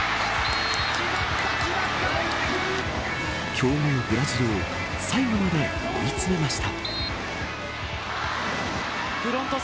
強豪ブラジルを最後まで追い詰めました。